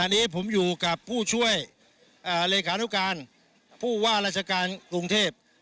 อันนี้ผมอยู่กับผู้ช่วยเลขานุการผู้ว่าราชการกรุงเทพ